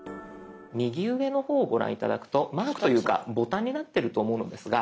右上の方をご覧頂くとマークというかボタンになってると思うのですが。